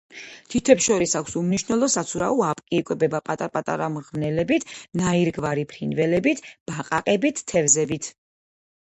თითებს შორის აქვს უმნიშვნელო საცურაო აპკი, იკვებება პატარ-პატარა მღრღნელებით, ნაირგვარი ფრინველებით, ბაყაყებით, თევზებით.